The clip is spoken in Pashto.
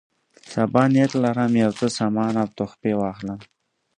سبا نیت لرم یو څه سامان او تحفې واخلم.